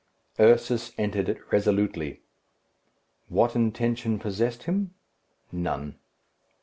Ursus entered it resolutely. What intention possessed him? None.